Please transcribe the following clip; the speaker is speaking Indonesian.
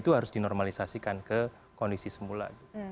terus dinormalisasikan ke kondisi semula